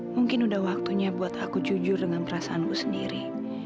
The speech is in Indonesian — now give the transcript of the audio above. mungkin udah waktunya buat aku jujur dengan perasaanku sendiri